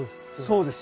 そうです。